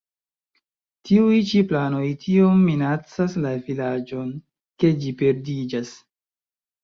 Tiuj ĉi planoj tiom minacas la vilaĝon, ke ĝi perdiĝas.